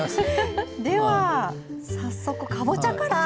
では早速かぼちゃから。